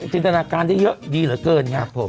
จินทนาการที่เยอะต่อหรือเกิน